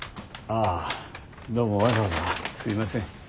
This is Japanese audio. ああどうもわざわざすいません。